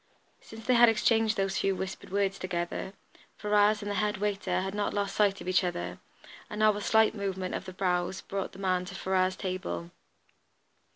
Since they had exchanged those few whispered words together, Ferrars and the head waiter had not lost sight of each other, and now a slight movement of the brows brought the man to Ferrars' table.